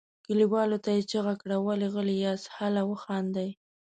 کليوالو ته یې چیغه کړه ولې غلي یاست هله وخاندئ.